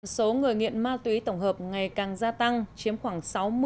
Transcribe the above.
số người nghiện ma túy tổng hợp ngày càng gia tăng chiếm khoảng sáu mươi bảy mươi